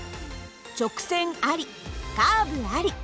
直線ありカーブあり。